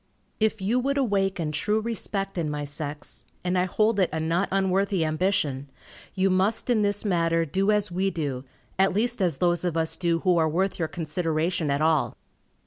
If you would awaken true respect in my sex, and I hold it a not unworthy ambition, you must in this matter do as we do, at least as those of us do who are worth your consideration at all.